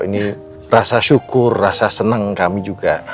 ini rasa syukur rasa senang kami juga